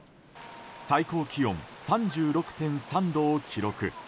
最高気温３６．３度を記録。